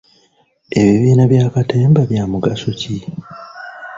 Ebibiina bya katemba bya mugaso ki?